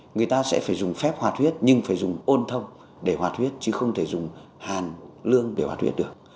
người ta sẽ phải dùng phép hoạt huyết nhưng phải dùng ôn thông để hoạt huyết chứ không thể dùng hàn lương để hoạt huyết được